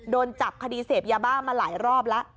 โดนจับคดีเสพยาบ้ามาหลายรอบแล้ว